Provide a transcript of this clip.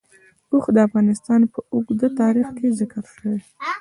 اوښ د افغانستان په اوږده تاریخ کې ذکر شوی دی.